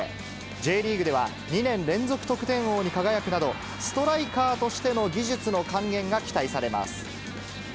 Ｊリーグでは２年連続得点王に輝くなど、ストライカーとしての技術の還元が期待されます。